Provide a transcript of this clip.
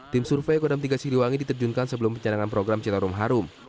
tim survei kodam tiga siliwangi diterjunkan sebelum pencadangan program citarum harum